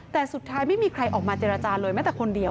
แต่สุดท้ายไม่มีใครออกมาเจรจาเลยแม้แต่คนเดียว